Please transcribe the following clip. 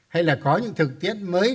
hay là có những thực tiết mới